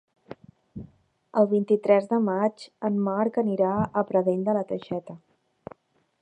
El vint-i-tres de maig en Marc anirà a Pradell de la Teixeta.